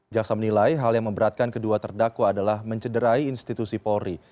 jaksa menilai hal yang memberatkan kedua terdakwa adalah mencederai institusi polri